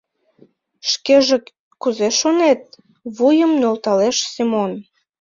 Шкеже кузе шонет? — вуйым нӧлталеш Семон.